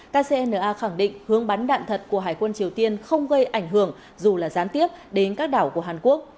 kcna khẳng định hướng bắn đạn thật của hải quân triều tiên không gây ảnh hưởng dù là gián tiếp đến các đảo của hàn quốc